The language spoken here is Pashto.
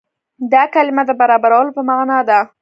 دا کلمه د برابرولو په معنا ده.